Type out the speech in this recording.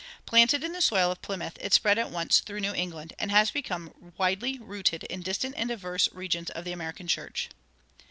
Planted in the soil of Plymouth, it spread at once through New England, and has become widely rooted in distant and diverse regions of the American church.